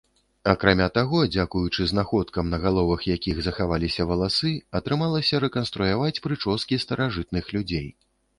Акрамя таго, дзякуючы знаходкам, на галовах якіх захаваліся валасы, атрымалася рэканструяваць прычоскі старажытных людзей.